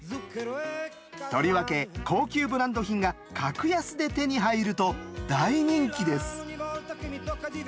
とりわけ高級ブランド品が格安で手に入ると大人気です。